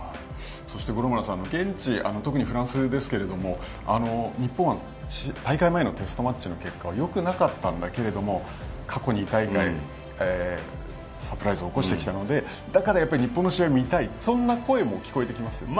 そして、五郎丸さん現地、特にフランスですけど日本は、大会前のテストマッチの結果がよくなかったんだけれども過去２大会でサプライズを起こしてきたのでだから日本の試合を見たいという声も聞こえてきますよね。